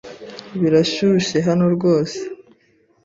Birashyushye hano rwose .